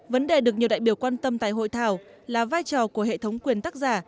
vấn đề được nhiều đại biểu quan tâm tại hội thảo là vai trò của hệ thống quyền tác giả